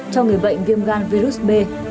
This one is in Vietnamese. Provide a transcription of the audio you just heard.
cho người bệnh viêm gan virus b